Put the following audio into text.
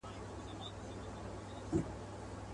له جانانه مي ګيله ده.